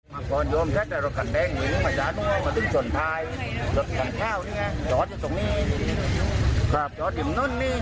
มาแม่งมี